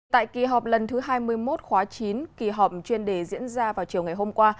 tại kỳ họp lần thứ hai mươi một khóa chín kỳ họp chuyên đề diễn ra vào chiều ngày hôm qua